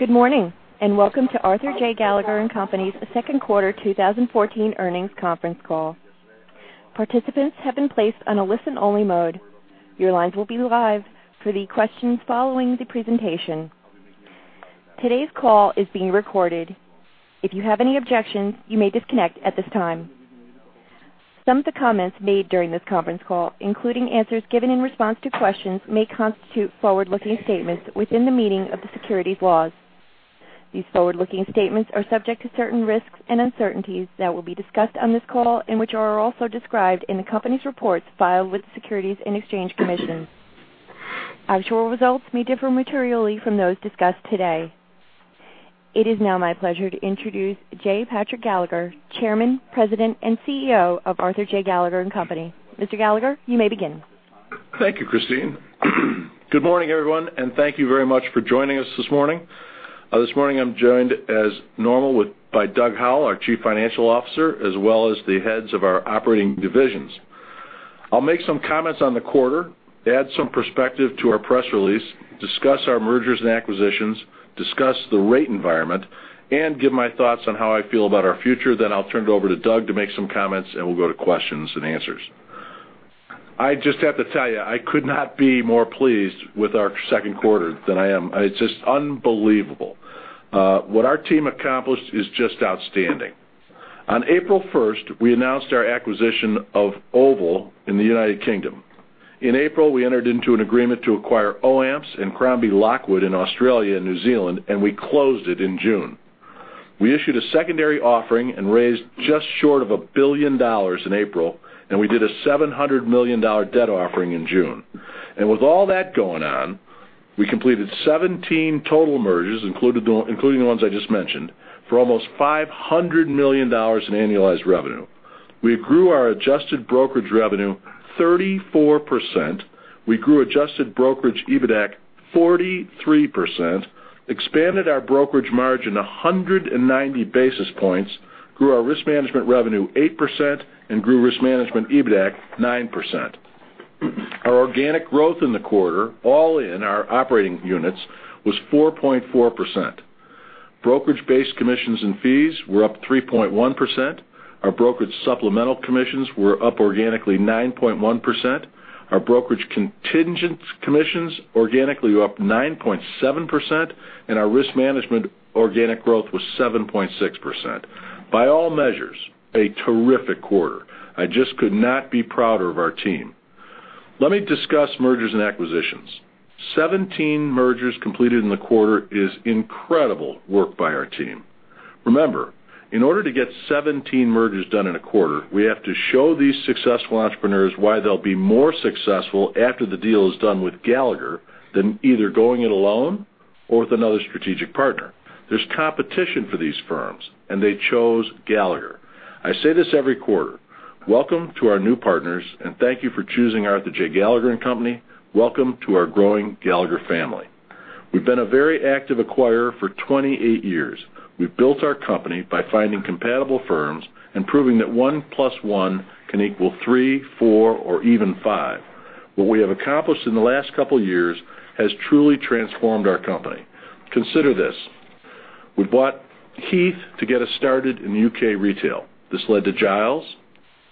Good morning, welcome to Arthur J. Gallagher & Co.'s second quarter 2014 earnings conference call. Participants have been placed on a listen-only mode. Your lines will be live for the questions following the presentation. Today's call is being recorded. If you have any objections, you may disconnect at this time. Some of the comments made during this conference call, including answers given in response to questions, may constitute forward-looking statements within the meaning of the securities laws. These forward-looking statements are subject to certain risks and uncertainties that will be discussed on this call and which are also described in the company's reports filed with the Securities and Exchange Commission. Actual results may differ materially from those discussed today. It is now my pleasure to introduce J. Patrick Gallagher, Chairman, President, and CEO of Arthur J. Gallagher & Co.. Mr. Gallagher, you may begin. Thank you, Christine. Good morning, everyone, thank you very much for joining us this morning. This morning, I'm joined as normal by Doug Howell, our Chief Financial Officer, as well as the heads of our operating divisions. I'll make some comments on the quarter, add some perspective to our press release, discuss our mergers and acquisitions, discuss the rate environment, and give my thoughts on how I feel about our future. I'll turn it over to Doug to make some comments, we'll go to questions and answers. I just have to tell you, I could not be more pleased with our second quarter than I am. It's just unbelievable. What our team accomplished is just outstanding. On April 1st, we announced our acquisition of Oval in the U.K.. In April, we entered into an agreement to acquire OAMPS and Crombie Lockwood in Australia and New Zealand, we closed it in June. We issued a secondary offering and raised just short of $1 billion in April, and we did a $700 million debt offering in June. With all that going on, we completed 17 total mergers, including the ones I just mentioned, for almost $500 million in annualized revenue. We grew our adjusted brokerage revenue 34%. We grew adjusted brokerage EBITDAC 43%, expanded our brokerage margin 190 basis points, grew our risk management revenue 8%, and grew risk management EBITDAC 9%. Our organic growth in the quarter, all in our operating units, was 4.4%. Brokerage-based commissions and fees were up 3.1%. Our brokerage supplemental commissions were up organically 9.1%. Our brokerage contingent commissions organically were up 9.7%, and our risk management organic growth was 7.6%. By all measures, a terrific quarter. I just could not be prouder of our team. Let me discuss mergers and acquisitions. 17 mergers completed in the quarter is incredible work by our team. Remember, in order to get 17 mergers done in a quarter, we have to show these successful entrepreneurs why they'll be more successful after the deal is done with Gallagher than either going it alone or with another strategic partner. There's competition for these firms, they chose Gallagher. I say this every quarter, welcome to our new partners, thank you for choosing Arthur J. Gallagher & Co.. Welcome to our growing Gallagher family. We've been a very active acquirer for 28 years. We've built our company by finding compatible firms and proving that one plus one can equal three, four, or even five. What we have accomplished in the last couple of years has truly transformed our company. Consider this. We bought Heath to get us started in the U.K. retail. This led to Giles,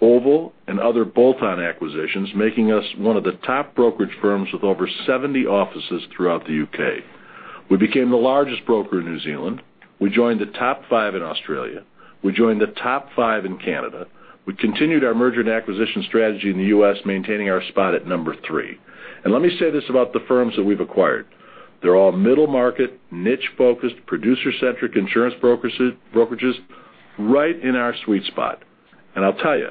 Oval, and other bolt-on acquisitions, making us one of the top brokerage firms with over 70 offices throughout the U.K. We became the largest broker in New Zealand. We joined the top 5 in Australia. We joined the top 5 in Canada. We continued our merger and acquisition strategy in the U.S., maintaining our spot at number 3. Let me say this about the firms that we've acquired. They're all middle-market, niche-focused, producer-centric insurance brokerages, right in our sweet spot. I'll tell you,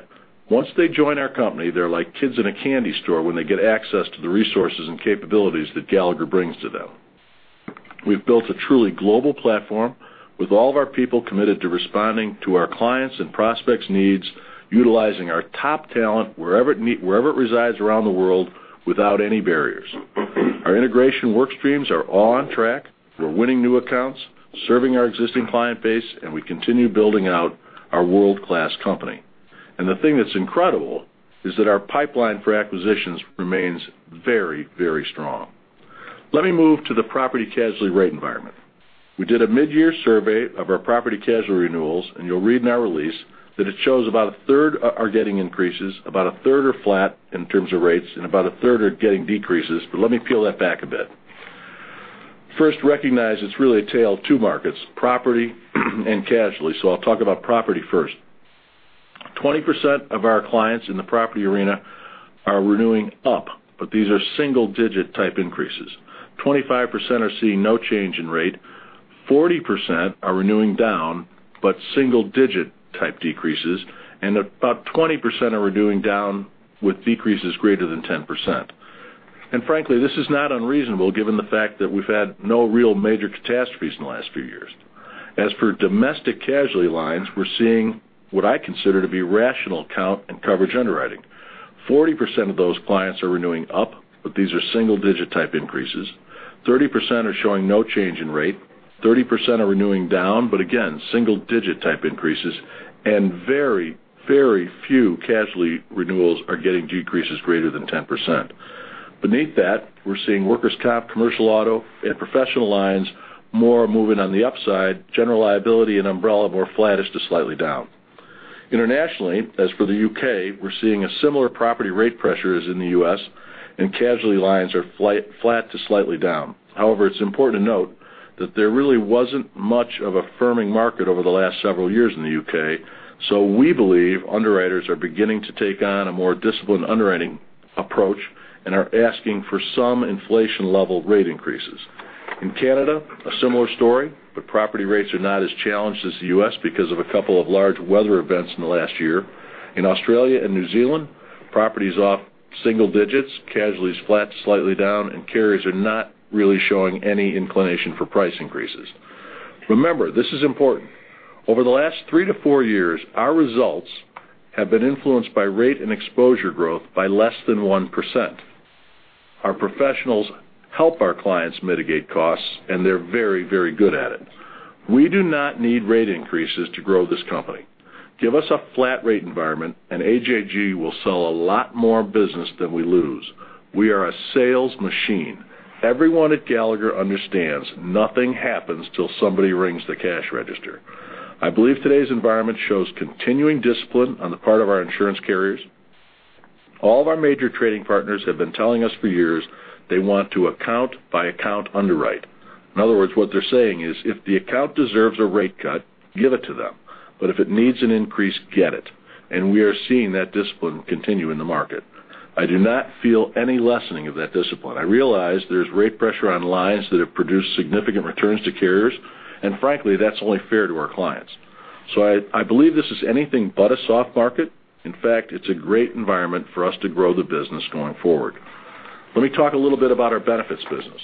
once they join our company, they're like kids in a candy store when they get access to the resources and capabilities that Gallagher brings to them. We've built a truly global platform with all of our people committed to responding to our clients' and prospects' needs, utilizing our top talent wherever it resides around the world without any barriers. Our integration work streams are all on track. We're winning new accounts, serving our existing client base, and we continue building out our world-class company. The thing that's incredible is that our pipeline for acquisitions remains very, very strong. Let me move to the property casualty rate environment. We did a mid-year survey of our property casualty renewals, you'll read in our release that it shows about a third are getting increases, about a third are flat in terms of rates, and about a third are getting decreases. Let me peel that back a bit. First, recognize it's really a tale of two markets, property and casualty. I'll talk about property first. 20% of our clients in the property arena are renewing up, but these are single-digit type increases. 25% are seeing no change in rate, 40% are renewing down, but single-digit type decreases, and about 20% are renewing down with decreases greater than 10%. Frankly, this is not unreasonable given the fact that we've had no real major catastrophes in the last few years. As for domestic casualty lines, we're seeing what I consider to be rational count and coverage underwriting. 40% of those clients are renewing up, but these are single-digit type increases. 30% are showing no change in rate, 30% are renewing down, but again, single-digit type increases, and very, very few casualty renewals are getting decreases greater than 10%. Beneath that, we're seeing workers' comp, commercial auto, and professional lines more moving on the upside, general liability and umbrella, more flattish to slightly down. Internationally, as for the U.K., we're seeing similar property rate pressures as in the U.S., casualty lines are flat to slightly down. However, it's important to note that there really wasn't much of a firming market over the last several years in the U.K., we believe underwriters are beginning to take on a more disciplined underwriting approach and are asking for some inflation level rate increases. In Canada, a similar story, property rates are not as challenged as the U.S. because of a couple of large weather events in the last year. In Australia and New Zealand, property is off single-digits, casualty is flat to slightly down, carriers are not really showing any inclination for price increases. Remember, this is important. Over the last three to four years, our results have been influenced by rate and exposure growth by less than 1%. Our professionals help our clients mitigate costs, they're very good at it. We do not need rate increases to grow this company. Give us a flat rate environment, AJG will sell a lot more business than we lose. We are a sales machine. Everyone at Gallagher understands nothing happens till somebody rings the cash register. I believe today's environment shows continuing discipline on the part of our insurance carriers. All of our major trading partners have been telling us for years they want to account by account underwrite. In other words, what they're saying is, if the account deserves a rate cut, give it to them. If it needs an increase, get it, we are seeing that discipline continue in the market. I do not feel any lessening of that discipline. I realize there's rate pressure on lines that have produced significant returns to carriers, frankly, that's only fair to our clients. I believe this is anything but a soft market. In fact, it's a great environment for us to grow the business going forward. Let me talk a little bit about our benefits business.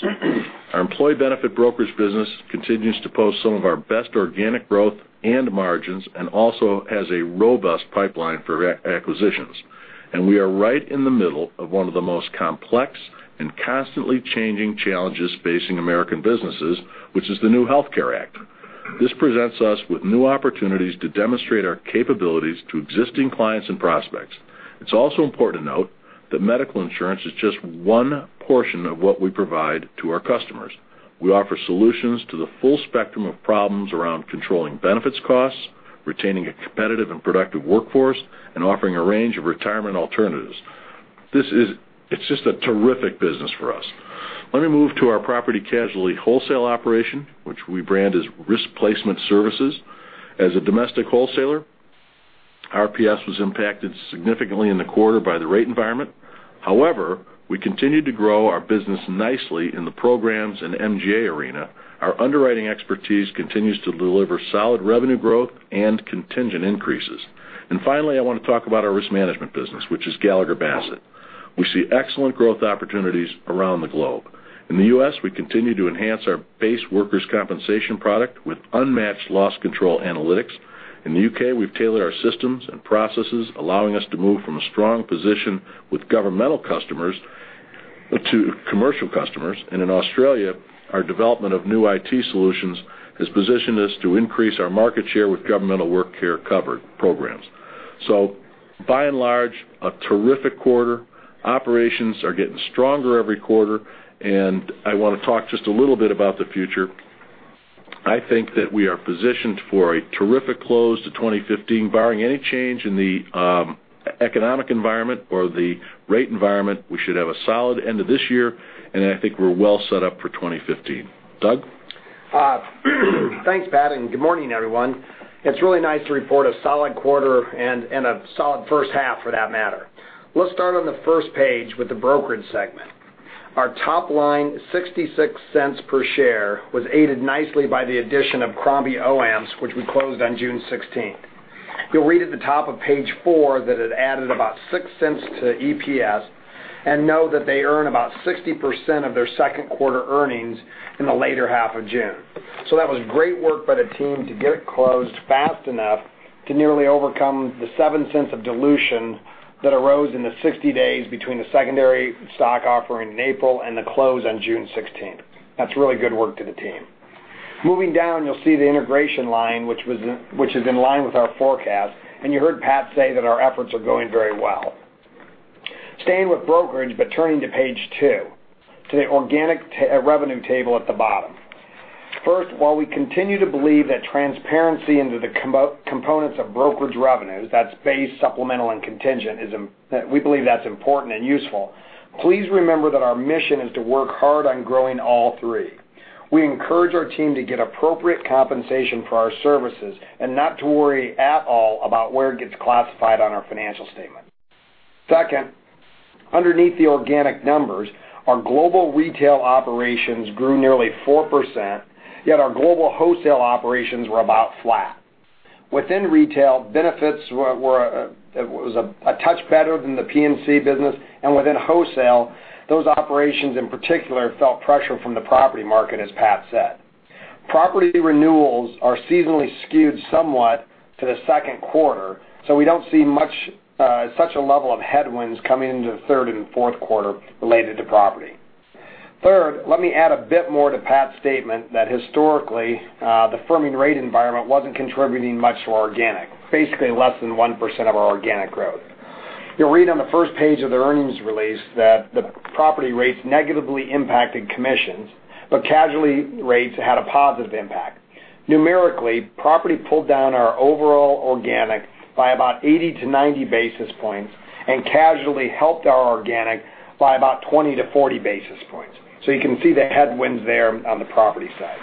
Our employee benefit brokers business continues to post some of our best organic growth and margins, also has a robust pipeline for acquisitions. We are right in the middle of one of the most complex and constantly changing challenges facing American businesses, which is the new Health Care Act. This presents us with new opportunities to demonstrate our capabilities to existing clients and prospects. It's also important to note that medical insurance is just one portion of what we provide to our customers. We offer solutions to the full spectrum of problems around controlling benefits costs, retaining a competitive and productive workforce, offering a range of retirement alternatives. It's just a terrific business for us. Let me move to our property casualty wholesale operation, which we brand as Risk Placement Services. As a domestic wholesaler, RPS was impacted significantly in the quarter by the rate environment. However, we continued to grow our business nicely in the programs MGA arena. Our underwriting expertise continues to deliver solid revenue growth and contingent increases. Finally, I want to talk about our risk management business, which is Gallagher Bassett. We see excellent growth opportunities around the globe. In the U.S., we continue to enhance our base workers' compensation product with unmatched loss control analytics. In the U.K., we've tailored our systems and processes, allowing us to move from a strong position with governmental customers to commercial customers. In Australia, our development of new IT solutions has positioned us to increase our market share with governmental work care cover programs. By and large, a terrific quarter. Operations are getting stronger every quarter, I want to talk just a little bit about the future. I think that we are positioned for a terrific close to 2015. Barring any change in the economic environment or the rate environment, we should have a solid end of this year, I think we're well set up for 2015. Doug? Thanks, Pat, and good morning, everyone. It's really nice to report a solid quarter and a solid first half for that matter. Let's start on the first page with the Brokerage segment. Our top line, $0.66 per share, was aided nicely by the addition of Crombie OAMPS, which we closed on June 16th. You'll read at the top of page four that it added about $0.06 to EPS, and know that they earn about 60% of their second quarter earnings in the later half of June. That was great work by the team to get it closed fast enough to nearly overcome the $0.07 of dilution that arose in the 60 days between the secondary stock offer in April and the close on June 16th. That's really good work to the team. Moving down, you'll see the integration line, which is in line with our forecast, and you heard Pat say that our efforts are going very well. Staying with Brokerage, turning to page two, to the organic revenue table at the bottom. First, while we continue to believe that transparency into the components of Brokerage revenues, that's base, supplemental, and contingent, we believe that's important and useful. Please remember that our mission is to work hard on growing all three. We encourage our team to get appropriate compensation for our services and not to worry at all about where it gets classified on our financial statement. Second, underneath the organic numbers, our global retail operations grew nearly 4%, yet our global wholesale operations were about flat. Within retail, benefits was a touch better than the P&C business, and within wholesale, those operations in particular felt pressure from the property market, as Pat said. Property renewals are seasonally skewed somewhat to the second quarter, we don't see such a level of headwinds coming into the third and fourth quarter related to property. Third, let me add a bit more to Pat's statement that historically, the firming rate environment wasn't contributing much to organic, basically less than 1% of our organic growth. You'll read on the first page of the earnings release that the property rates negatively impacted commissions, casualty rates had a positive impact. Numerically, property pulled down our overall organic by about 80-90 basis points, and casualty helped our organic by about 20-40 basis points. You can see the headwinds there on the property side.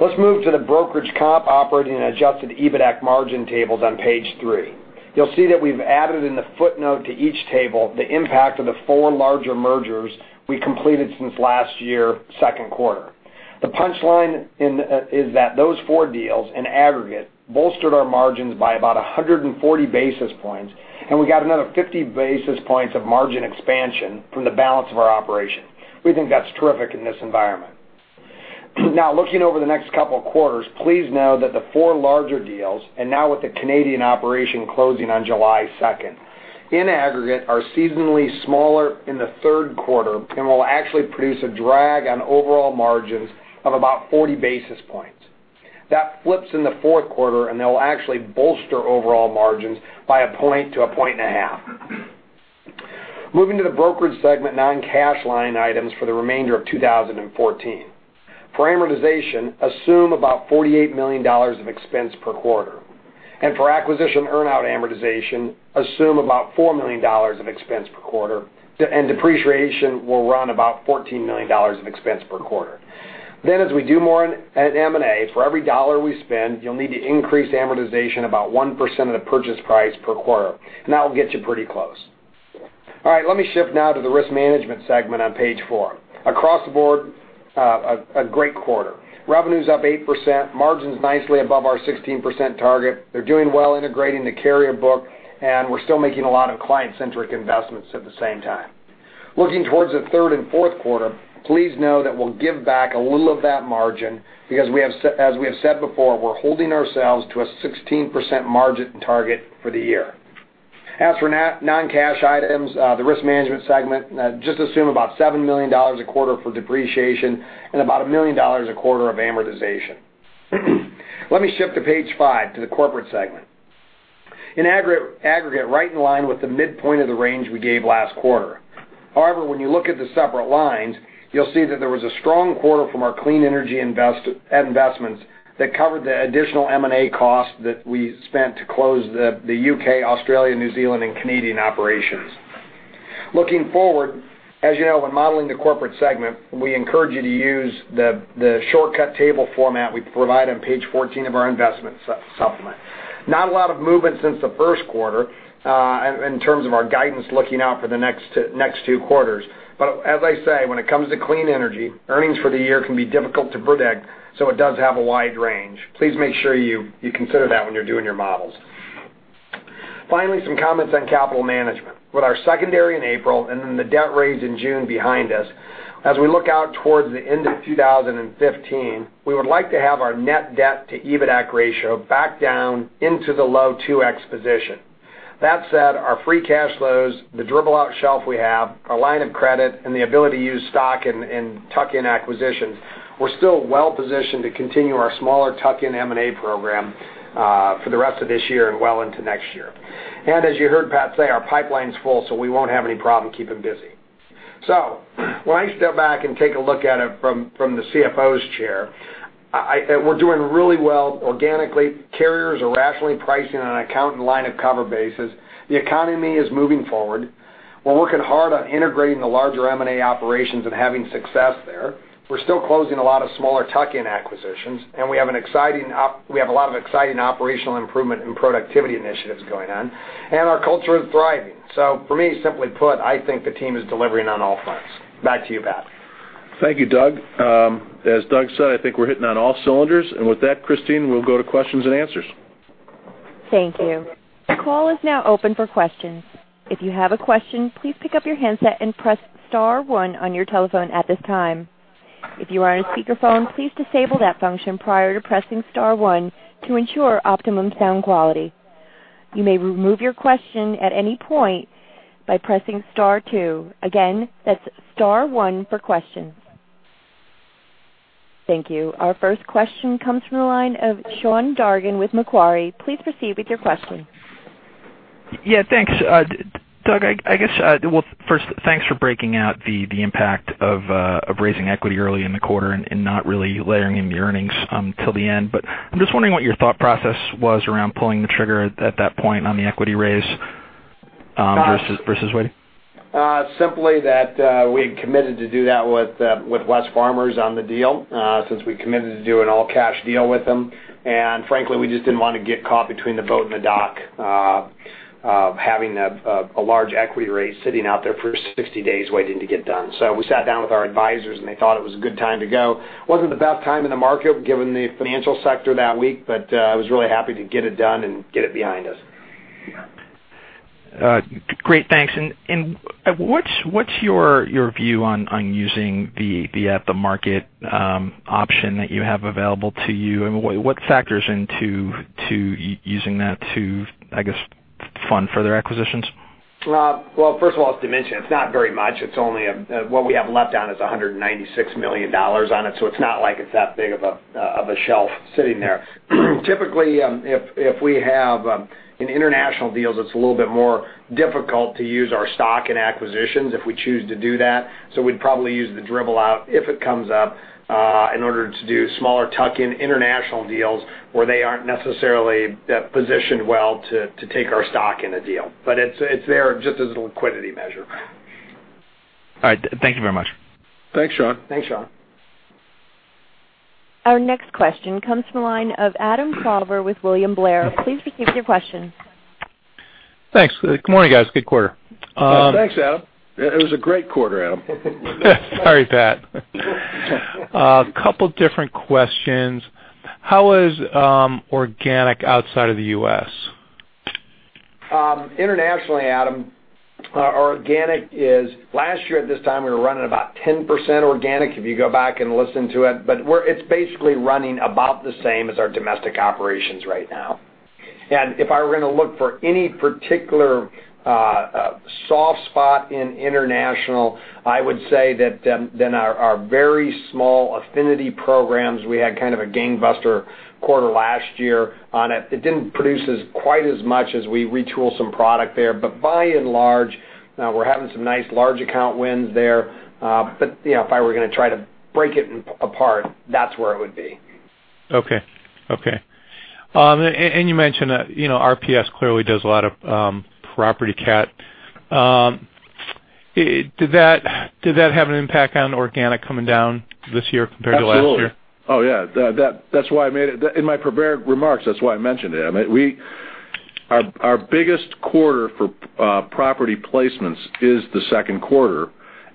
Let's move to the Brokerage comp operating and adjusted EBITAC margin tables on page three. You'll see that we've added in the footnote to each table the impact of the four larger mergers we completed since last year, second quarter. The punchline is that those four deals, in aggregate, bolstered our margins by about 140 basis points, and we got another 50 basis points of margin expansion from the balance of our operation. We think that's terrific in this environment. Looking over the next couple of quarters, please know that the four larger deals, and now with the Canadian operation closing on July 2nd, in aggregate, are seasonally smaller in the third quarter and will actually produce a drag on overall margins of about 40 basis points. That flips in the fourth quarter, and they'll actually bolster overall margins by a point to a point and a half. Moving to the brokerage segment, non-cash line items for the remainder of 2014. For amortization, assume about $48 million of expense per quarter. Depreciation will run about $14 million of expense per quarter. As we do more in M&A, for every dollar we spend, you'll need to increase amortization about 1% of the purchase price per quarter. That will get you pretty close. All right. Let me shift now to the risk management segment on page four. Across the board, a great quarter. Revenue's up 8%, margin's nicely above our 16% target. They're doing well integrating the carrier book, and we're still making a lot of client-centric investments at the same time. Looking towards the third and fourth quarter, please know that we'll give back a little of that margin because as we have said before, we're holding ourselves to a 16% margin target for the year. As for non-cash items, the risk management segment, just assume about $7 million a quarter for depreciation and about $1 million a quarter of amortization. Let me shift to page five, to the corporate segment. In aggregate, right in line with the midpoint of the range we gave last quarter. However, when you look at the separate lines, you'll see that there was a strong quarter from our clean energy investments that covered the additional M&A costs that we spent to close the U.K., Australia, New Zealand, and Canadian operations. Looking forward, as you know, when modeling the corporate segment, we encourage you to use the shortcut table format we provide on page 14 of our investment supplement. Not a lot of movement since the first quarter, in terms of our guidance looking out for the next two quarters. As I say, when it comes to clean energy, earnings for the year can be difficult to predict, it does have a wide range. Please make sure you consider that when you're doing your models. Finally, some comments on capital management. With our secondary in April and the debt raise in June behind us, as we look out towards the end of 2015, we would like to have our net debt to EBITAC ratio back down into the low 2x position. That said, our free cash flows, the dribble out shelf we have, our line of credit, and the ability to use stock in tuck-in acquisitions, we're still well positioned to continue our smaller tuck-in M&A program for the rest of this year and well into next year. As you heard Pat say, our pipeline's full, we won't have any problem keeping busy. When I step back and take a look at it from the CFO's chair, we're doing really well organically. Carriers are rationally pricing on an account and line of cover basis. The economy is moving forward. We're working hard on integrating the larger M&A operations and having success there. We're still closing a lot of smaller tuck-in acquisitions, and we have a lot of exciting operational improvement and productivity initiatives going on. Our culture is thriving. For me, simply put, I think the team is delivering on all fronts. Back to you, Pat. Thank you, Doug. As Doug said, I think we're hitting on all cylinders. With that, Christine, we'll go to questions and answers. Thank you. The call is now open for questions. If you have a question, please pick up your handset and press star one on your telephone at this time. If you are on speakerphone, please disable that function prior to pressing star one to ensure optimum sound quality. You may remove your question at any point by pressing star two. Again, that's star one for questions. Thank you. Our first question comes from the line of Sean Dargan with Macquarie. Please proceed with your question. Yeah, thanks. Doug, I guess, well first, thanks for breaking out the impact of raising equity early in the quarter and not really layering in the earnings until the end. I'm just wondering what your thought process was around pulling the trigger at that point on the equity raise versus waiting. Simply that we had committed to do that with Wesfarmers on the deal, since we committed to do an all cash deal with them. Frankly, we just didn't want to get caught between the boat and the dock, having a large equity raise sitting out there for 60 days waiting to get done. We sat down with our advisors, and they thought it was a good time to go. Wasn't the best time in the market given the financial sector that week, but I was really happy to get it done and get it behind us. Great, thanks. What's your view on using the at-the-market option that you have available to you, and what factors into using that to, I guess, fund further acquisitions? First of all, as you mentioned, it's not very much. What we have left on is $196 million on it, so it's not like it's that big of a shelf sitting there. Typically, if we have in international deals, it's a little bit more difficult to use our stock in acquisitions if we choose to do that. We'd probably use the dribble out if it comes up, in order to do smaller tuck-in international deals where they aren't necessarily positioned well to take our stock in a deal. It's there just as a liquidity measure. All right. Thank you very much. Thanks, Sean. Thanks, Sean. Our next question comes from the line of Adam Klauber with William Blair. Please proceed with your question. Thanks. Good morning, guys. Good quarter. Thanks, Adam. It was a great quarter, Adam. Sorry, Pat. A couple different questions. How was organic outside of the U.S.? Internationally, Adam, our organic. Last year at this time, we were running about 10% organic, if you go back and listen to it. It's basically running about the same as our domestic operations right now. If I were going to look for any particular soft spot in international, I would say that our very small affinity programs, we had kind of a gangbuster quarter last year on it. It didn't produce as quite as much as we retool some product there. By and large, we're having some nice large account wins there. If I were going to try to break it apart, that's where it would be. Okay. You mentioned RPS clearly does a lot of property cat. Did that have an impact on organic coming down this year compared to last year? Absolutely. Oh, yeah. In my prepared remarks, that's why I mentioned it, Adam. Our biggest quarter for property placements is the second quarter,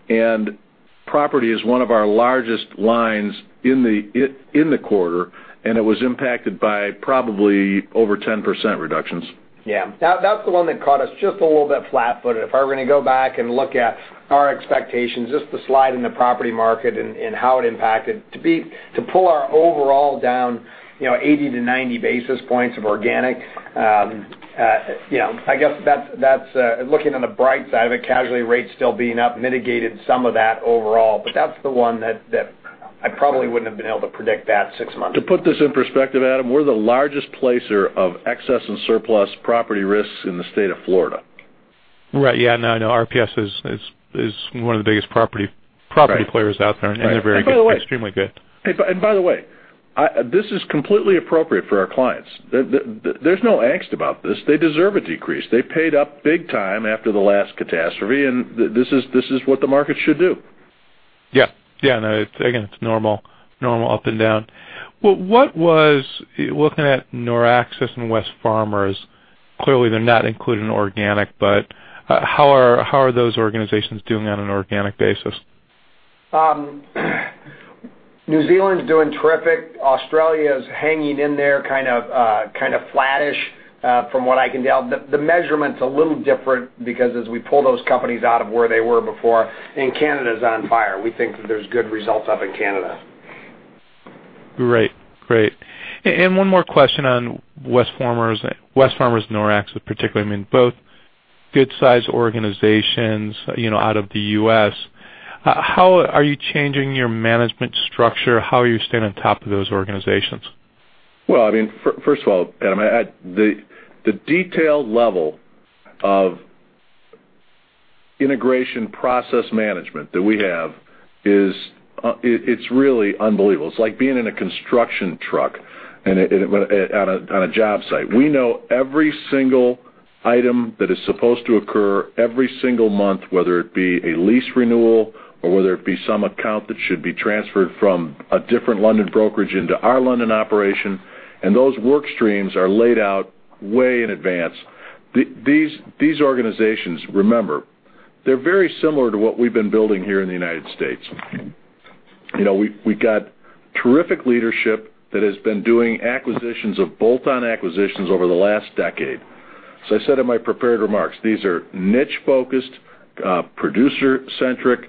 and property is one of our largest lines in the quarter, and it was impacted by probably over 10% reductions. Yeah. That's the one that caught us just a little bit flat-footed. If I were going to go back and look at our expectations, just the slide in the property market and how it impacted. To pull our overall down 80 to 90 basis points of organic, I guess that's looking on the bright side of it. Casualty rates still being up mitigated some of that overall, That's the one that I probably wouldn't have been able to predict that six months ago. To put this in perspective, Adam, we're the largest placer of excess and surplus property risks in the state of Florida. Right. Yeah, no, I know RPS is one of the biggest property players out there. They're extremely good. By the way, this is completely appropriate for our clients. There's no angst about this. They deserve a decrease. They paid up big time after the last catastrophe, this is what the market should do. Yeah. No, again, it's normal up and down. Looking at Noraxis and Wesfarmers, clearly they're not included in organic, how are those organizations doing on an organic basis? New Zealand's doing terrific. Australia's hanging in there kind of flattish from what I can tell. The measurement's a little different because as we pull those companies out of where they were before, Canada's on fire. We think that there's good results up in Canada. Great. One more question on Wesfarmers, Noraxis particularly. Both good size organizations out of the U.S. How are you changing your management structure? How are you staying on top of those organizations? Well, first of all, Adam, the detailed level of integration process management that we have, it's really unbelievable. It's like being in a construction truck on a job site. We know every single item that is supposed to occur every single month, whether it be a lease renewal or whether it be some account that should be transferred from a different London brokerage into our London operation, and those work streams are laid out way in advance. These organizations, remember, they're very similar to what we've been building here in the U.S. We've got terrific leadership that has been doing acquisitions of bolt-on acquisitions over the last decade. I said in my prepared remarks, these are niche-focused, producer-centric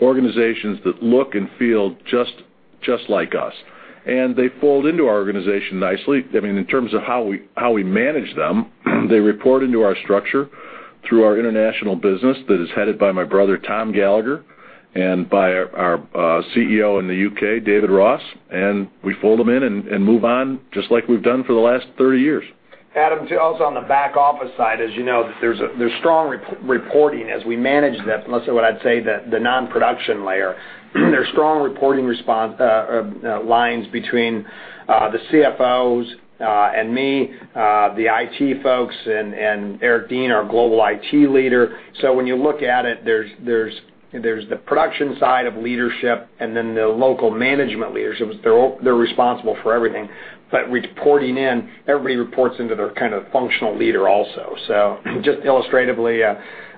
organizations that look and feel just like us, and they fold into our organization nicely. In terms of how we manage them, they report into our structure through our international business that is headed by my brother, Tom Gallagher, and by our CEO in the U.K., David Ross, and we fold them in and move on, just like we've done for the last 30 years. Adam, also on the back office side is you know that there's strong reporting as we manage that, mostly what I'd say the non-production layer. There's strong reporting lines between the CFOs and me, the IT folks, and Eric Dean, our global IT leader. When you look at it, there's the production side of leadership and then the local management leaders. They're responsible for everything. Reporting in, everybody reports into their kind of functional leader also. Just illustratively,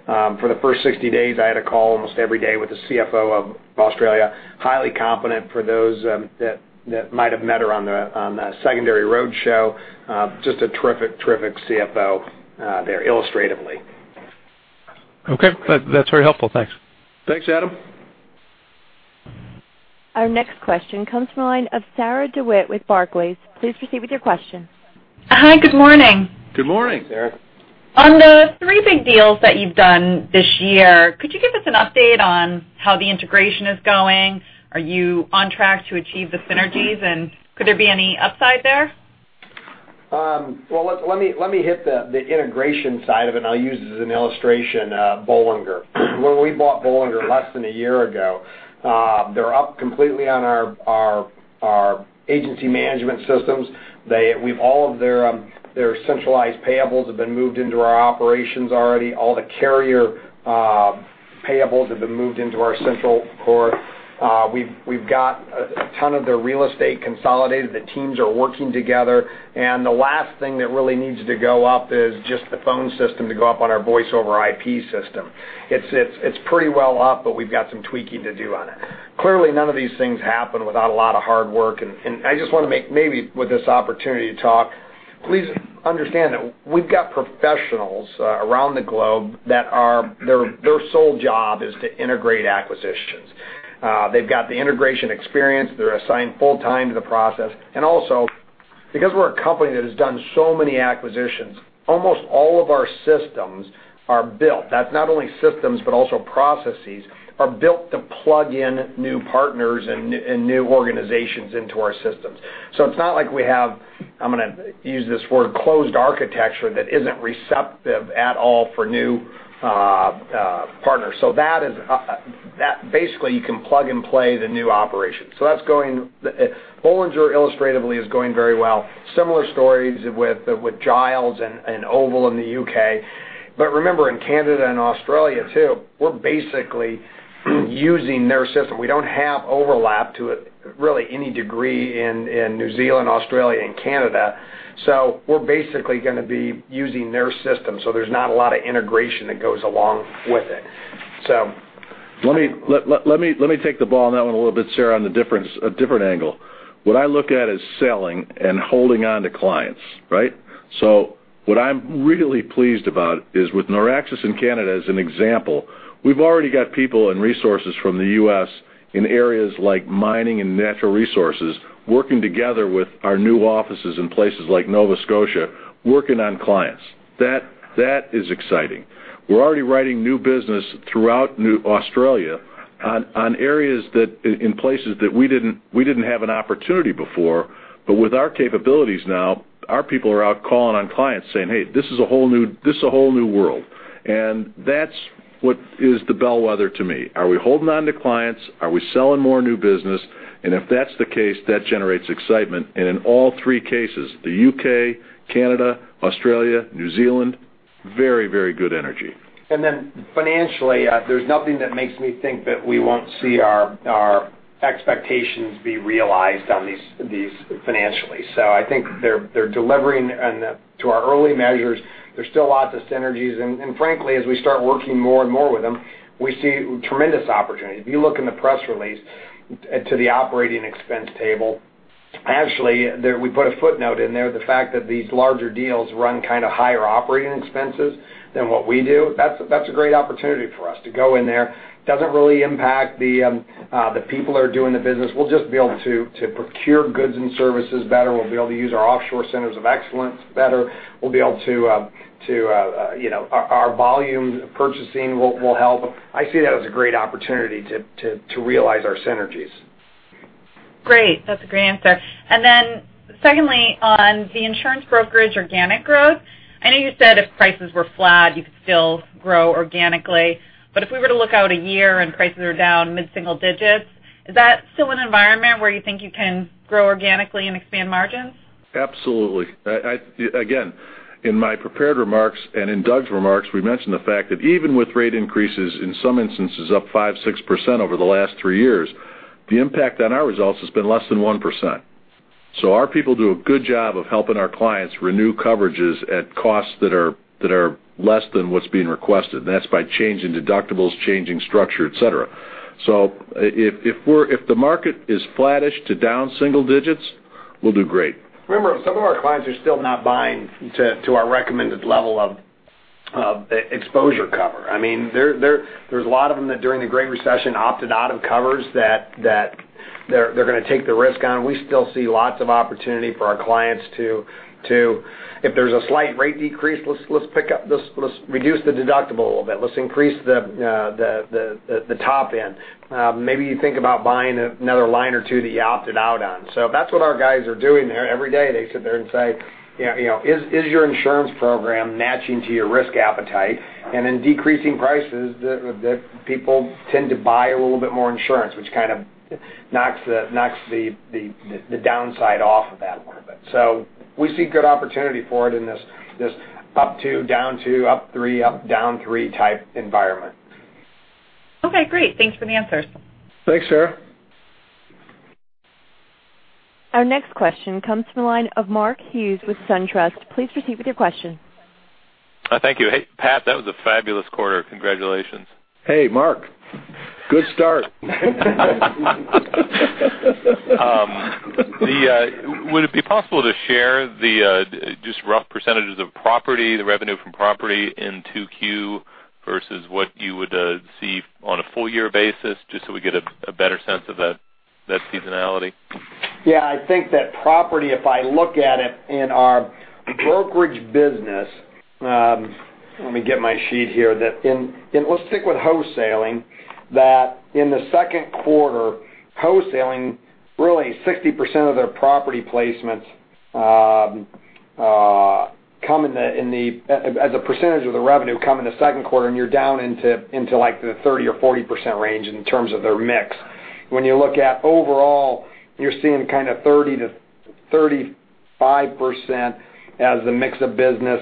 for the first 60 days, I had a call almost every day with the CFO of Australia. Highly competent for those that might have met her on the secondary roadshow. Just a terrific CFO there, illustratively. Okay. That's very helpful. Thanks. Thanks, Adam. Our next question comes from the line of Sarah DeWitt with Barclays. Please proceed with your question. Hi. Good morning. Good morning. Good morning, Sarah. On the three big deals that you've done this year, could you give us an update on how the integration is going? Are you on track to achieve the synergies, and could there be any upside there? Let me hit the integration side of it, and I'll use it as an illustration, Bollinger. When we bought Bollinger less than a year ago, they're up completely on our agency management systems. All of their centralized payables have been moved into our operations already. All the carrier payables have been moved into our central core. We've got a ton of their real estate consolidated. The teams are working together, and the last thing that really needs to go up is just the phone system to go up on our voiceover IP system. It's pretty well up, but we've got some tweaking to do on it. Clearly, none of these things happen without a lot of hard work, and maybe with this opportunity to talk, please understand that we've got professionals around the globe, that their sole job is to integrate acquisitions. They've got the integration experience. They're assigned full time to the process. Also, because we're a company that has done so many acquisitions, almost all of our systems are built. That's not only systems, but also processes are built to plug in new partners and new organizations into our systems. It's not like we have, I'm going to use this word, closed architecture that isn't receptive at all for new partners. That basically you can plug and play the new operation. Bollinger illustratively is going very well. Similar stories with Giles and Oval in the U.K. Remember, in Canada and Australia, too, we're basically using their system. We don't have overlap to it, really any degree in New Zealand, Australia, and Canada. We're basically going to be using their system. There's not a lot of integration that goes along with it. Let me take the ball on that one a little bit, Sarah, on a different angle. What I look at is selling and holding onto clients, right? What I'm really pleased about is with Noraxis in Canada, as an example, we've already got people and resources from the U.S. in areas like mining and natural resources, working together with our new offices in places like Nova Scotia, working on clients. That is exciting. We're already writing new business throughout Australia on areas that in places that we didn't have an opportunity before, but with our capabilities now, our people are out calling on clients saying, "Hey, this is a whole new world." That's what is the bellwether to me. Are we holding onto clients? Are we selling more new business? If that's the case, that generates excitement. In all three cases, the U.K., Canada, Australia, New Zealand, very good energy. Financially, there's nothing that makes me think that we won't see our expectations be realized on these financially. I think they're delivering to our early measures. There's still lots of synergies, and frankly, as we start working more and more with them, we see tremendous opportunity. If you look in the press release to the operating expense table, actually, we put a footnote in there, the fact that these larger deals run kind of higher operating expenses than what we do. That's a great opportunity for us to go in there. Doesn't really impact the people that are doing the business. We'll just be able to procure goods and services better. We'll be able to use our offshore centers of excellence better. Our volume purchasing will help. I see that as a great opportunity to realize our synergies. Great. That's a great answer. Secondly, on the insurance brokerage organic growth, I know you said if prices were flat, you could still grow organically, but if we were to look out a year and prices are down mid-single digits, is that still an environment where you think you can grow organically and expand margins? Absolutely. Again, in my prepared remarks and in Doug's remarks, we mentioned the fact that even with rate increases, in some instances up 5%-6% over the last three years, the impact on our results has been less than 1%. Our people do a good job of helping our clients renew coverages at costs that are less than what's being requested, and that's by changing deductibles, changing structure, et cetera. If the market is flattish to down single digits, we'll do great. Remember, some of our clients are still not buying to our recommended level of exposure cover. There's a lot of them that during the Great Recession, opted out of covers that they're going to take the risk on. We still see lots of opportunity for our clients to, if there's a slight rate decrease, let's reduce the deductible a little bit. Let's increase the top end. Maybe you think about buying another line or two that you opted out on. That's what our guys are doing there every day. They sit there and say, "Is your insurance program matching to your risk appetite?" In decreasing prices, people tend to buy a little bit more insurance, which kind of knocks the downside off of that a little bit. We see good opportunity for it in this up two, down two, up three, down three type environment. Okay, great. Thanks for the answers. Thanks, Sarah. Our next question comes from the line of Mark Hughes with SunTrust. Please proceed with your question. Thank you. Hey, Pat, that was a fabulous quarter. Congratulations. Hey, Mark. Good start. Would it be possible to share just rough percentages of property, the revenue from property in 2Q versus what you would see on a full year basis, just so we get a better sense of that seasonality. Yeah, I think that property, if I look at it in our brokerage business. We'll stick with wholesaling, that in the second quarter, wholesaling, really 60% of their property placements, as a percentage of the revenue, come in the second quarter, and you're down into the 30% or 40% range in terms of their mix. When you look at overall, you're seeing 30%-35% as the mix of business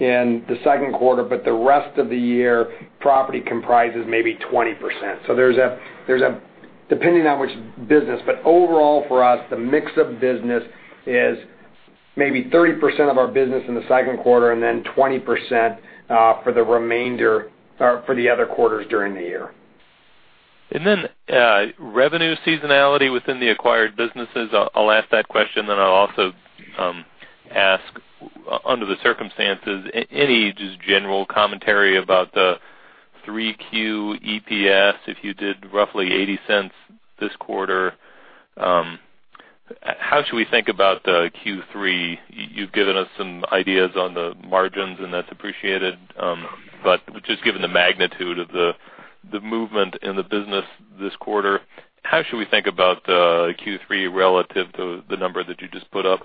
in the second quarter, but the rest of the year, property comprises maybe 20%. Depending on which business, but overall for us, the mix of business is maybe 30% of our business in the second quarter, and then 20% for the other quarters during the year. Revenue seasonality within the acquired businesses. I'll ask that question, then I'll also ask, under the circumstances, any just general commentary about the 3Q EPS, if you did roughly $0.80 this quarter. How should we think about Q3? You've given us some ideas on the margins, and that's appreciated. Just given the magnitude of the movement in the business this quarter, how should we think about Q3 relative to the number that you just put up?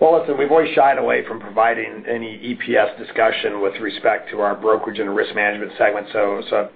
Well, listen, we've always shied away from providing any EPS discussion with respect to our brokerage and risk management segment.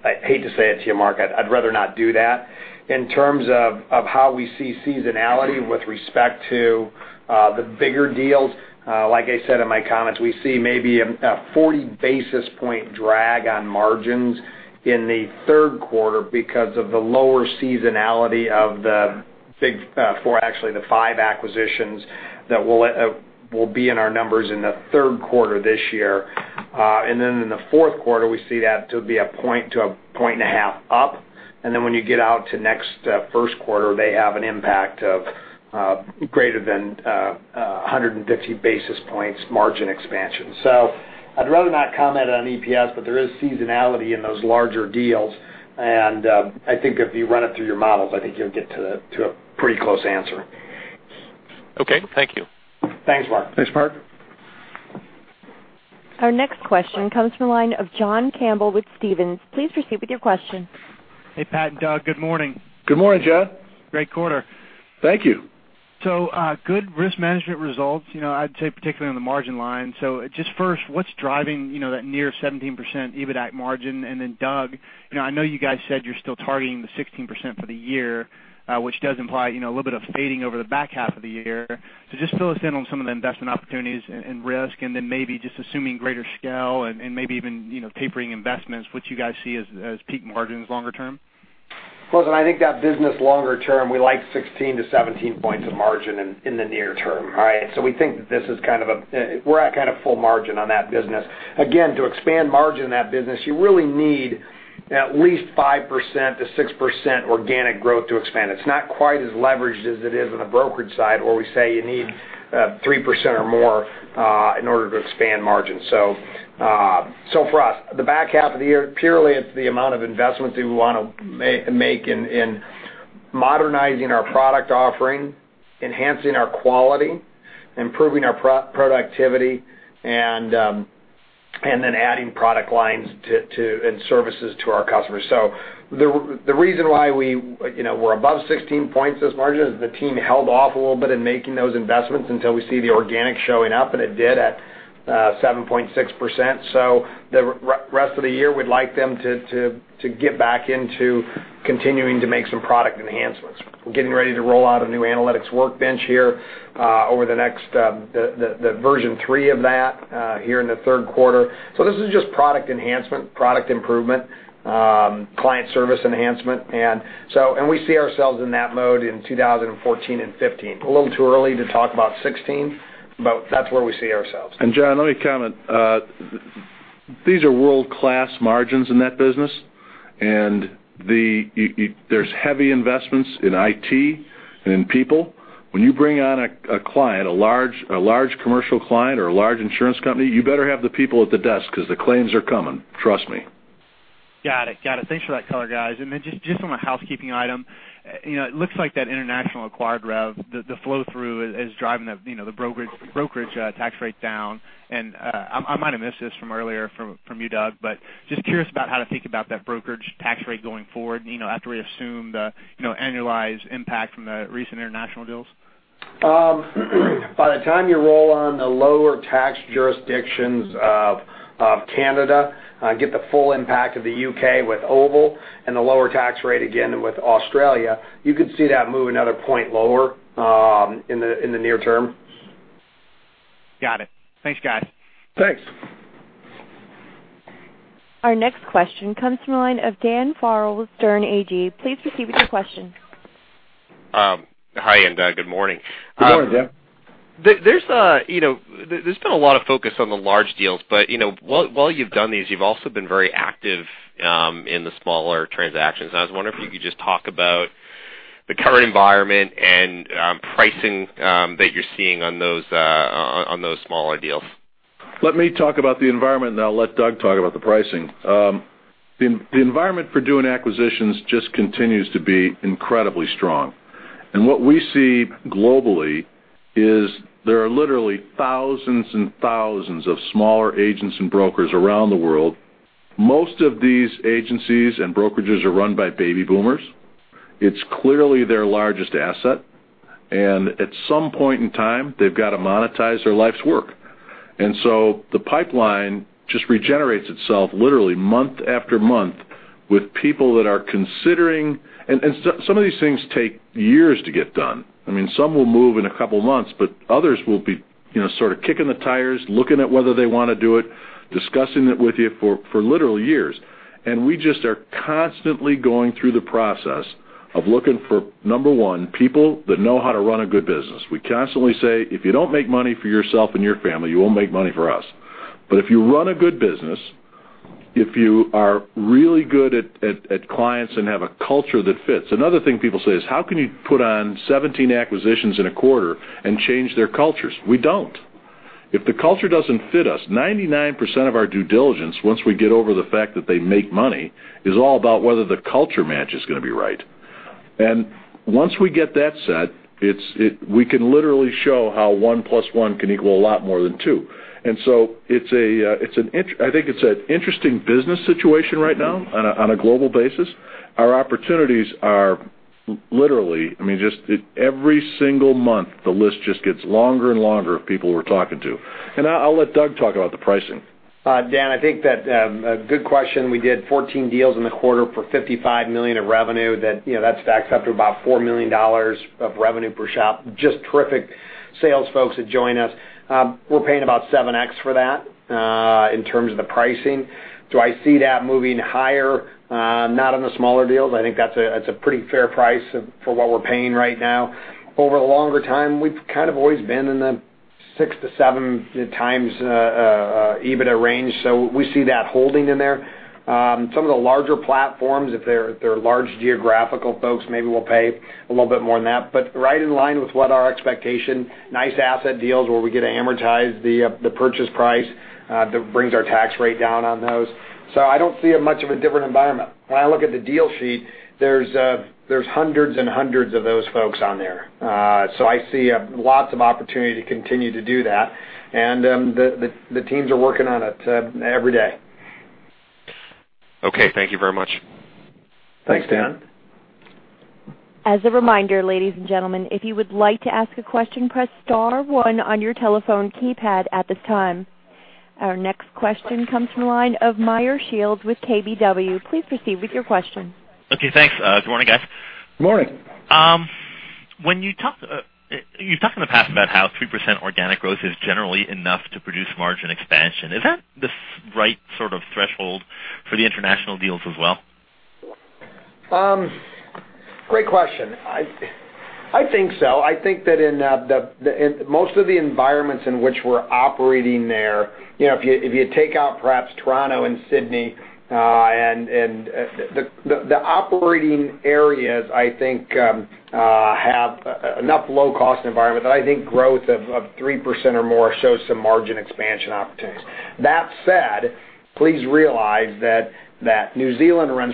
I hate to say it to you, Mark, I'd rather not do that. In terms of how we see seasonality with respect to the bigger deals, like I said in my comments, we see maybe a 40 basis point drag on margins in the third quarter because of the lower seasonality of the big four, actually the five acquisitions that will be in our numbers in the third quarter this year. In the fourth quarter, we see that to be a 1 point-1.5 points up. When you get out to next first quarter, they have an impact of greater than 150 basis points margin expansion. I'd rather not comment on EPS, there is seasonality in those larger deals, I think if you run it through your models, I think you'll get to a pretty close answer. Okay, thank you. Thanks, Mark. Thanks, Mark. Our next question comes from the line of John Campbell with Stephens. Please proceed with your question. Hey, Pat and Doug, good morning. Good morning, John. Great quarter. Thank you. Good risk management results, I'd say particularly on the margin line. Just first, what's driving that near 17% EBITAC margin? Doug, I know you guys said you're still targeting the 16% for the year, which does imply a little bit of fading over the back half of the year. Just fill us in on some of the investment opportunities and risk, then maybe just assuming greater scale and maybe even tapering investments, what you guys see as peak margins longer term. Listen, I think that business longer term, we like 16-17 points of margin in the near term. All right? We think we're at kind of full margin on that business. Again, to expand margin in that business, you really need at least 5%-6% organic growth to expand. It's not quite as leveraged as it is on the brokerage side, where we say you need 3% or more in order to expand margin. For us, the back half of the year, purely it's the amount of investments that we want to make in modernizing our product offering, enhancing our quality, improving our productivity, then adding product lines and services to our customers. The reason why we're above 16 points as margins is the team held off a little bit in making those investments until we see the organic showing up, and it did at 7.6%. The rest of the year, we'd like them to get back into continuing to make some product enhancements. We're getting ready to roll out a new analytics workbench here, the version 3 of that here in the third quarter. This is just product enhancement, product improvement, client service enhancement. We see ourselves in that mode in 2014 and 2015. A little too early to talk about 2016, but that's where we see ourselves. John, let me comment. These are world-class margins in that business, and there's heavy investments in IT and in people. When you bring on a client, a large commercial client or a large insurance company, you better have the people at the desk because the claims are coming, trust me. Got it. Got it. Thanks for that color, guys. Just from a housekeeping item, it looks like that international acquired rev, the flow through is driving the brokerage tax rate down. I might have missed this from earlier from you, Doug, but just curious about how to think about that brokerage tax rate going forward, after we assume the annualized impact from the recent international deals. By the time you roll on the lower tax jurisdictions of Canada, get the full impact of the U.K. with Oval and the lower tax rate again with Australia, you could see that move another one point lower in the near term. Got it. Thanks, guys. Thanks. Our next question comes from the line of Dan Farrell with Sterne Agee. Please proceed with your question. Hi, good morning. Good morning, Dan Farrell. There's been a lot of focus on the large deals. While you've done these, you've also been very active in the smaller transactions. I was wondering if you could just talk about the current environment and pricing that you're seeing on those smaller deals. Let me talk about the environment. I'll let Doug Howell talk about the pricing. The environment for doing acquisitions just continues to be incredibly strong. What we see globally is there are literally thousands and thousands of smaller agents and brokers around the world. Most of these agencies and brokerages are run by baby boomers. It's clearly their largest asset, and at some point in time, they've got to monetize their life's work. The pipeline just regenerates itself literally month after month with people that are considering. Some of these things take years to get done. Some will move in a couple of months, others will be sort of kicking the tires, looking at whether they want to do it, discussing it with you for literal years. We just are constantly going through the process of looking for, number one, people that know how to run a good business. We constantly say, "If you don't make money for yourself and your family, you won't make money for us." If you run a good business, if you are really good at clients and have a culture that fits. Another thing people say is, "How can you put on 17 acquisitions in a quarter and change their cultures?" We don't. If the culture doesn't fit us, 99% of our due diligence, once we get over the fact that they make money, is all about whether the culture match is going to be right. Once we get that set, we can literally show how one plus one can equal a lot more than two. I think it's an interesting business situation right now on a global basis. Our opportunities are literally, just every single month, the list just gets longer and longer of people we're talking to. I'll let Doug talk about the pricing. Dan, I think that a good question. We did 14 deals in the quarter for $55 million of revenue. That stacks up to about $4 million of revenue per shop. Just terrific sales folks that join us. We're paying about 7x for that in terms of the pricing. Do I see that moving higher? Not on the smaller deals. I think that's a pretty fair price for what we're paying right now. Over a longer time, we've kind of always been in the 6 to 7 times EBITDA range. We see that holding in there. Some of the larger platforms, if they're large geographical folks, maybe we'll pay a little bit more than that, but right in line with what our expectation, nice asset deals where we get to amortize the purchase price, that brings our tax rate down on those. I don't see much of a different environment. When I look at the deal sheet, there's hundreds and hundreds of those folks on there. I see lots of opportunity to continue to do that. The teams are working on it every day. Okay. Thank you very much. Thanks, Dan. As a reminder, ladies and gentlemen, if you would like to ask a question, press star one on your telephone keypad at this time. Our next question comes from the line of Meyer Shields with KBW. Please proceed with your question. Okay. Thanks. Good morning, guys. Morning. You've talked in the past about how 3% organic growth is generally enough to produce margin expansion. Is that the right sort of threshold for the international deals as well? Great question. I think so. I think that in most of the environments in which we're operating there, if you take out perhaps Toronto and Sydney, and the operating areas, I think, have enough low-cost environment that I think growth of 3% or more shows some margin expansion opportunities. That said, please realize that New Zealand runs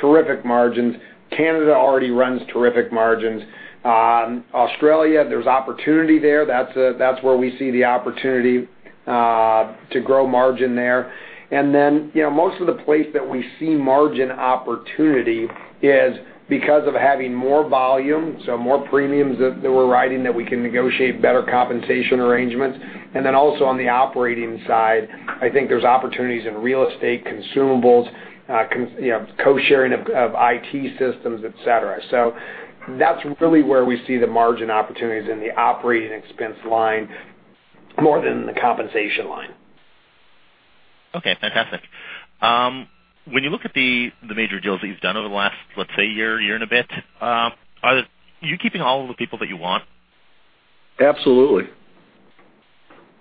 terrific margins. Canada already runs terrific margins. Australia, there's opportunity there. That's where we see the opportunity to grow margin there. Most of the place that we see margin opportunity is because of having more volume, so more premiums that we're writing that we can negotiate better compensation arrangements. Also on the operating side, I think there's opportunities in real estate, consumables, co-sharing of IT systems, et cetera. That's really where we see the margin opportunities, in the operating expense line more than the compensation line. Okay, fantastic. When you look at the major deals that you've done over the last, let's say year and a bit, are you keeping all of the people that you want? Absolutely.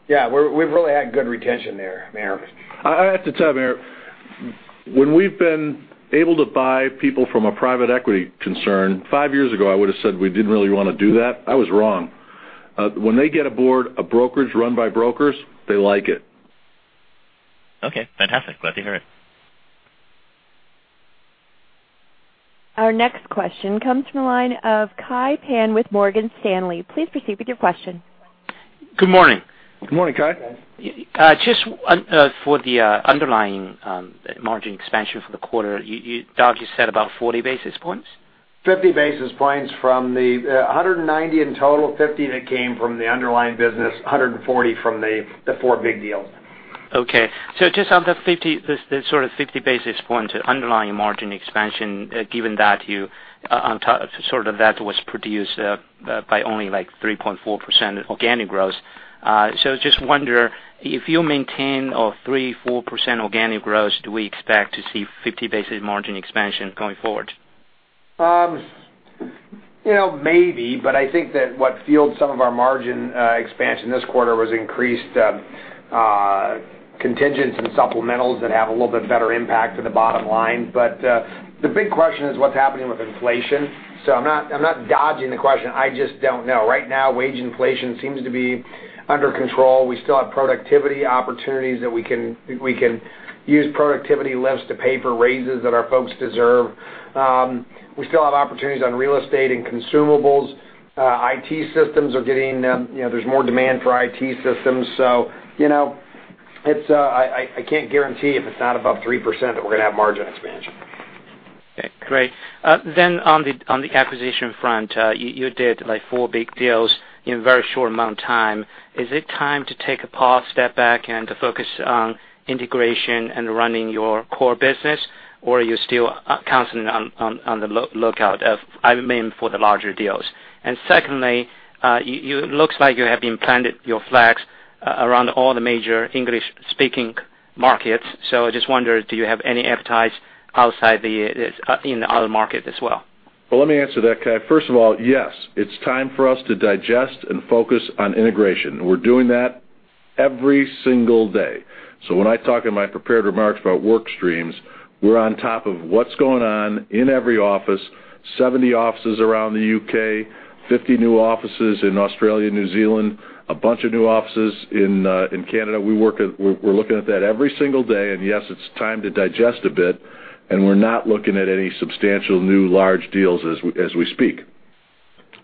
Yeah. We've really had good retention there, Meyer. I have to tell, Meyer, when we've been able to buy people from a private equity concern, five years ago, I would've said we didn't really want to do that. I was wrong. When they get aboard a brokerage run by brokers, they like it. Okay, fantastic. Glad to hear it. Our next question comes from the line of Kai Pan with Morgan Stanley. Please proceed with your question. Good morning. Good morning, Kai. Just for the underlying margin expansion for the quarter, Doug, you said about 40 basis points? 50 basis points from the 190 in total, 50 that came from the underlying business, 140 from the four big deals. Okay. Just on the sort of 50 basis points underlying margin expansion, given that was produced by only like 3.4% organic growth. Just wonder, if you maintain a 3%, 4% organic growth, do we expect to see 50 basis margin expansion going forward? Maybe, I think that what fueled some of our margin expansion this quarter was increased contingents and supplementals that have a little bit better impact to the bottom line. The big question is what's happening with inflation. I'm not dodging the question, I just don't know. Right now, wage inflation seems to be under control. We still have productivity opportunities that we can use productivity lifts to pay for raises that our folks deserve. We still have opportunities on real estate and consumables. IT systems, there's more demand for IT systems. I can't guarantee if it's not above 3% that we're going to have margin expansion. Okay, great. On the acquisition front, you did four big deals in a very short amount of time. Is it time to take a pause, step back, and to focus on integration and running your core business? Or are you still constantly on the lookout for the larger deals? Secondly, it looks like you have implanted your flags around all the major English-speaking markets. I just wonder, do you have any appetite in other markets as well? Well, let me answer that, Kai. First of all, yes, it's time for us to digest and focus on integration. We're doing that every single day. When I talk in my prepared remarks about work streams, we're on top of what's going on in every office, 70 offices around the U.K., 50 new offices in Australia, New Zealand, a bunch of new offices in Canada. Yes, it's time to digest a bit, and we're not looking at any substantial new large deals as we speak.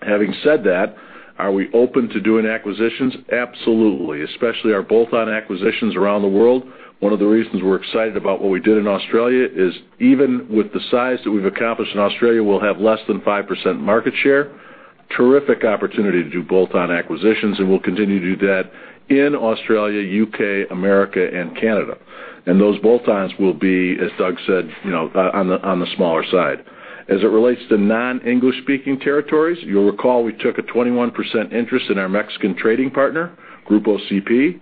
Having said that, are we open to doing acquisitions? Absolutely. Especially our bolt-on acquisitions around the world. One of the reasons we're excited about what we did in Australia is even with the size that we've accomplished in Australia, we'll have less than 5% market share. Terrific opportunity to do bolt-on acquisitions, we'll continue to do that in Australia, U.K., America, and Canada. Those bolt-ons will be, as Doug said, on the smaller side. As it relates to non-English-speaking territories, you'll recall we took a 21% interest in our Mexican trading partner, Grupo CP.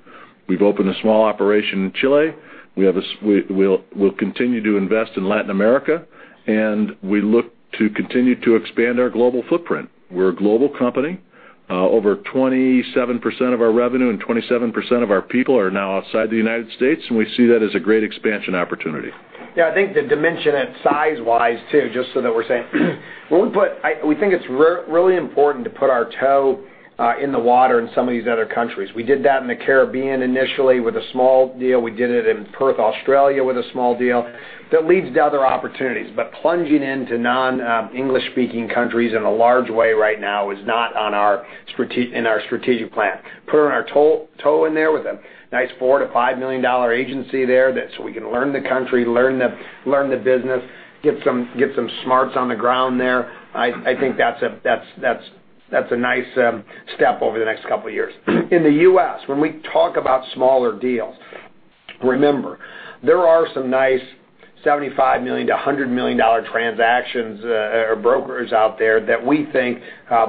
We've opened a small operation in Chile. We'll continue to invest in Latin America, and we look to continue to expand our global footprint. We're a global company. Over 27% of our revenue and 27% of our people are now outside the United States, and we see that as a great expansion opportunity. I think the dimension and size-wise, too, just so that we're saying. We think it's really important to put our toe in the water in some of these other countries. We did that in the Caribbean initially with a small deal. We did it in Perth, Australia, with a small deal. That leads to other opportunities. Plunging into non-English-speaking countries in a large way right now is not in our strategic plan. Putting our toe in there with a nice $4 million-$5 million agency there, so we can learn the country, learn the business, get some smarts on the ground there, I think that's a nice step over the next couple of years. In the U.S., when we talk about smaller deals, remember, there are some nice $75 million-$100 million transactions or brokers out there that we think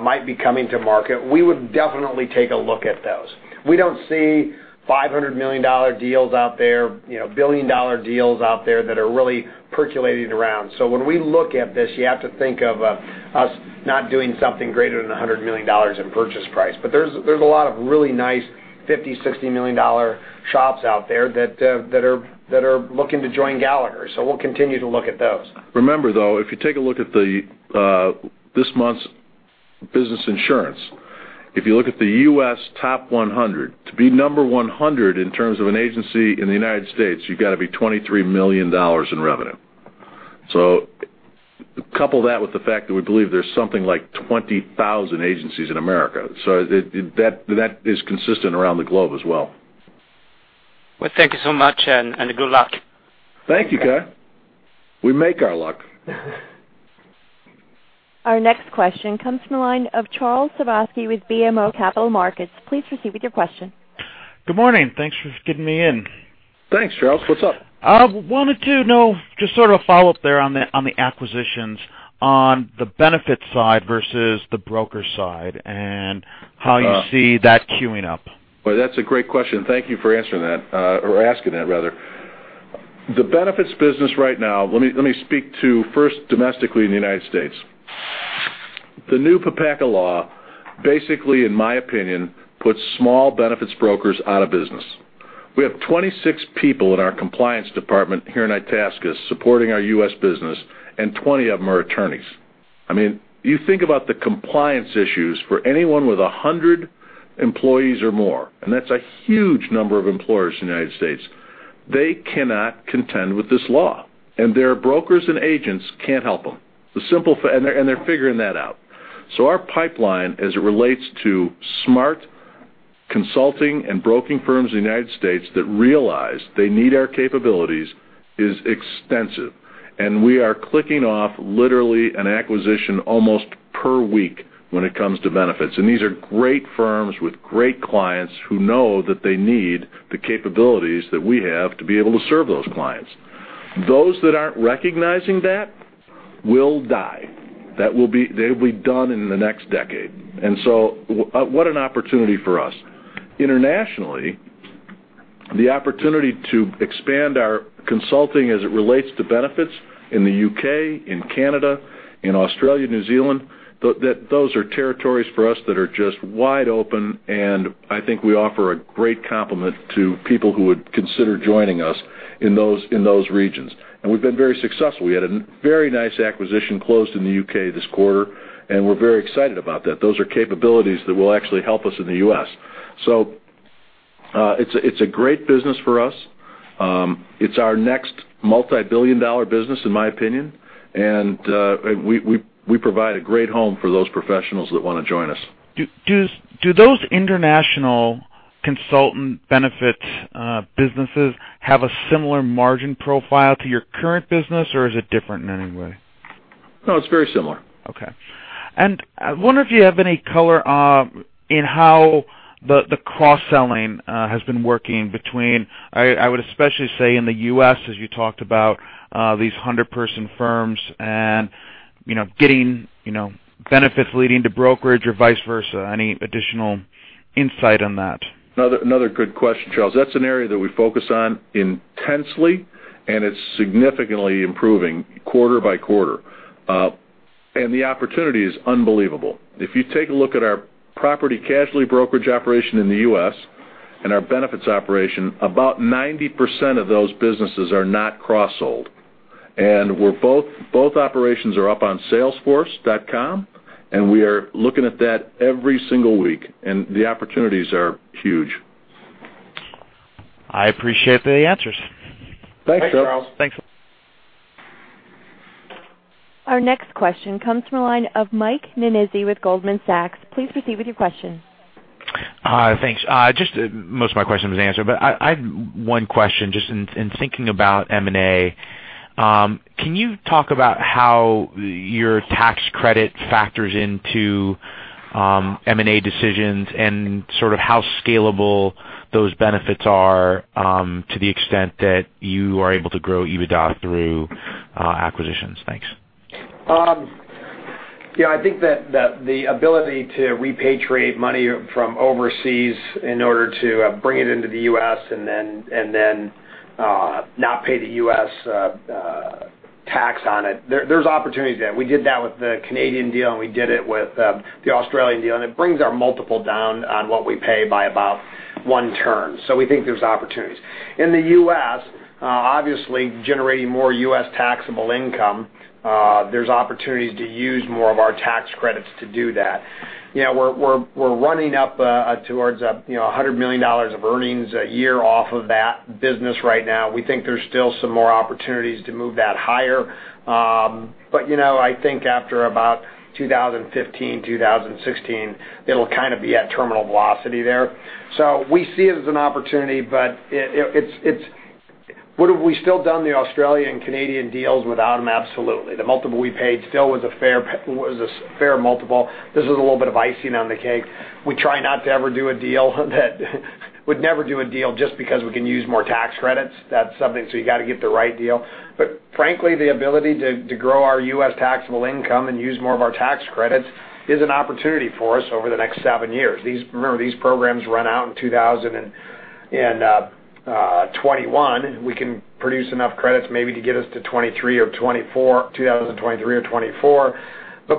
might be coming to market. We would definitely take a look at those. We don't see $500 million deals out there, billion-dollar deals out there that are really percolating around. When we look at this, you have to think of us not doing something greater than $100 million in purchase price. There's a lot of really nice $50 million, $60 million shops out there that are looking to join Gallagher. We'll continue to look at those. Remember, though, if you take a look at this month's business insurance, if you look at the U.S. top 100, to be number 100 in terms of an agency in the United States, you've got to be $23 million in revenue. Couple that with the fact that we believe there's something like 20,000 agencies in America. That is consistent around the globe as well. Well, thank you so much. Good luck. Thank you, Kai. We make our luck. Our next question comes from the line of Charles Sebaski with BMO Capital Markets. Please proceed with your question. Good morning. Thanks for getting me in. Thanks, Charles. What's up? I wanted to know, just sort of a follow-up there on the acquisitions on the benefits side versus the broker side and how you see that queuing up. Boy, that's a great question. Thank you for answering that, or asking that, rather. The benefits business right now, let me speak to first domestically in the United States. The new PPACA law basically, in my opinion, puts small benefits brokers out of business. We have 26 people in our compliance department here in Itasca supporting our U.S. business, and 20 of them are attorneys. You think about the compliance issues for anyone with 100 employees or more, and that's a huge number of employers in the United States. They cannot contend with this law, and their brokers and agents can't help them. They're figuring that out. Our pipeline, as it relates to smart consulting and broking firms in the United States that realize they need our capabilities, is extensive. We are clicking off literally an acquisition almost per week when it comes to benefits. These are great firms with great clients who know that they need the capabilities that we have to be able to serve those clients. Those that aren't recognizing that will die. They will be done in the next decade. What an opportunity for us. Internationally. The opportunity to expand our consulting as it relates to benefits in the U.K., in Canada, in Australia, New Zealand, those are territories for us that are just wide open, and I think we offer a great complement to people who would consider joining us in those regions. We've been very successful. We had a very nice acquisition closed in the U.K. this quarter, and we're very excited about that. Those are capabilities that will actually help us in the U.S. It's a great business for us. It's our next multi-billion dollar business, in my opinion. We provide a great home for those professionals that want to join us. Do those international consultant benefits businesses have a similar margin profile to your current business, or is it different in any way? No, it's very similar. Okay. I wonder if you have any color in how the cross-selling has been working between, I would especially say in the U.S., as you talked about, these 100-person firms and getting benefits leading to brokerage or vice versa. Any additional insight on that? Another good question, Charles. That's an area that we focus on intensely, and it's significantly improving quarter by quarter. The opportunity is unbelievable. If you take a look at our property casualty brokerage operation in the U.S. and our benefits operation, about 90% of those businesses are not cross-sold. Both operations are up on salesforce.com, and we are looking at that every single week, and the opportunities are huge. I appreciate the answers. Thanks, Charles. Thanks. Our next question comes from the line of Michael Nannizzi with Goldman Sachs. Please proceed with your question. Hi. Thanks. Just most of my question was answered. I have one question just in thinking about M&A. Can you talk about how your tax credit factors into M&A decisions and sort of how scalable those benefits are to the extent that you are able to grow EBITDA through acquisitions? Thanks. Yeah, I think that the ability to repatriate money from overseas in order to bring it into the U.S. and then not pay the U.S. tax on it, there's opportunities there. We did that with the Canadian deal, and we did it with the Australian deal, and it brings our multiple down on what we pay by about one turn. We think there's opportunities. In the U.S., obviously generating more U.S. taxable income, there's opportunities to use more of our tax credits to do that. We're running up towards $100 million of earnings a year off of that business right now. We think there's still some more opportunities to move that higher. I think after about 2015, 2016, it'll kind of be at terminal velocity there. We see it as an opportunity, but would have we still done the Australian, Canadian deals without them? Absolutely. The multiple we paid still was a fair multiple. This is a little bit of icing on the cake. We'd never do a deal just because we can use more tax credits. That's something, you got to get the right deal. Frankly, the ability to grow our U.S. taxable income and use more of our tax credits is an opportunity for us over the next seven years. Remember, these programs run out in 2021. We can produce enough credits maybe to get us to 2023 or 2024.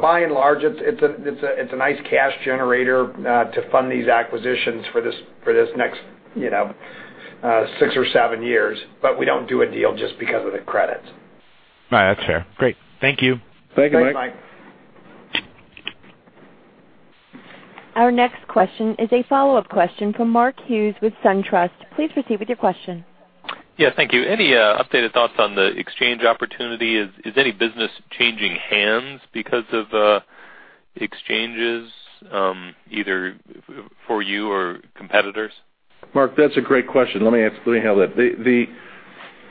By and large, it's a nice cash generator to fund these acquisitions for this next six or seven years, but we don't do a deal just because of the credits. All right. That's fair. Great. Thank you. Thank you, Mike. Thanks, Mike. Our next question is a follow-up question from Mark Hughes with SunTrust. Please proceed with your question. Yes, thank you. Any updated thoughts on the exchange opportunity? Is any business changing hands because of exchanges, either for you or competitors? Mark, that's a great question. Let me handle that.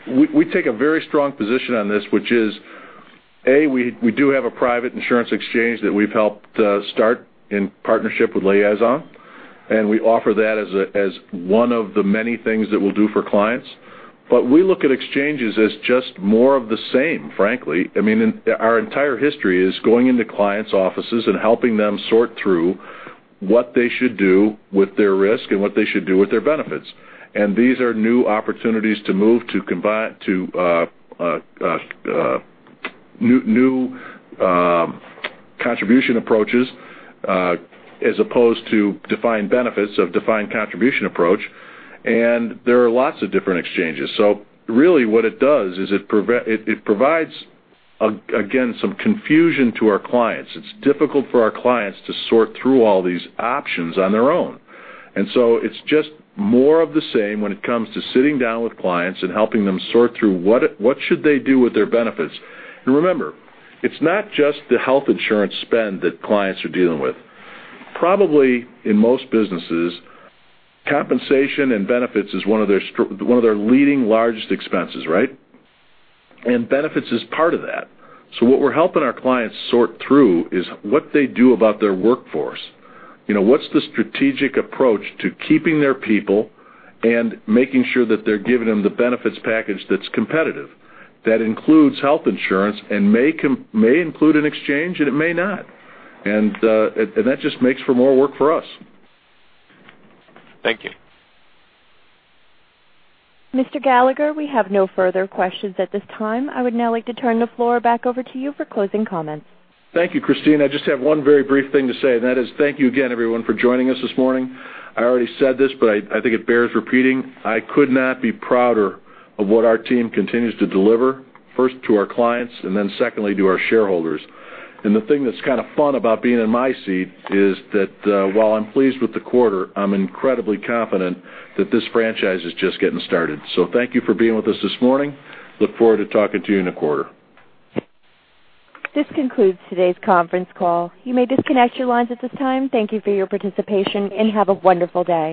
We take a very strong position on this, which is, A, we do have a private insurance exchange that we've helped start in partnership with Liazon, and we offer that as one of the many things that we'll do for clients. We look at exchanges as just more of the same, frankly. I mean, our entire history is going into clients' offices and helping them sort through what they should do with their risk and what they should do with their benefits. These are new opportunities to move to new contribution approaches as opposed to defined benefits of defined contribution approach, and there are lots of different exchanges. Really what it does is it provides, again, some confusion to our clients. It's difficult for our clients to sort through all these options on their own. It's just more of the same when it comes to sitting down with clients and helping them sort through what should they do with their benefits. Remember, it's not just the health insurance spend that clients are dealing with. Probably in most businesses, compensation and benefits is one of their leading largest expenses, right? Benefits is part of that. What we're helping our clients sort through is what they do about their workforce. What's the strategic approach to keeping their people and making sure that they're giving them the benefits package that's competitive, that includes health insurance and may include an exchange, and it may not. That just makes for more work for us. Thank you. Mr. Gallagher, we have no further questions at this time. I would now like to turn the floor back over to you for closing comments. Thank you, Christine. I just have one very brief thing to say, and that is thank you again, everyone, for joining us this morning. I already said this, I think it bears repeating. I could not be prouder of what our team continues to deliver, first to our clients, and then secondly to our shareholders. The thing that's kind of fun about being in my seat is that while I'm pleased with the quarter, I'm incredibly confident that this franchise is just getting started. Thank you for being with us this morning. Look forward to talking to you in a quarter. This concludes today's conference call. You may disconnect your lines at this time. Thank you for your participation, and have a wonderful day.